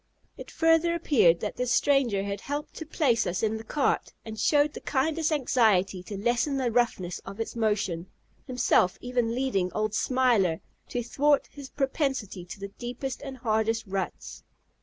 It further appeared that this stranger had helped to place us in the cart, and showed the kindest anxiety to lessen the roughness of its motion, himself even leading old "Smiler," to thwart his propensity to the deepest and hardest ruts.